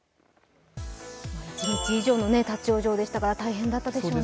一日以上の立往生でしたから大変だったでしょうね。